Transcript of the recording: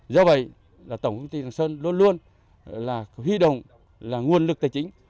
do vậy tổng thị trường sơn luôn luôn là huy động là nguồn lực tài chính